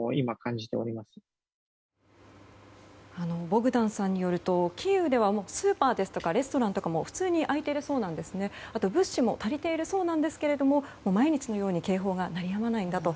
ボグダンさんによるとキーウではスーパーやレストランも普通に開いているそうでしてあと物資も足りているそうなんですけど毎日のように警報が鳴りやまないんだと。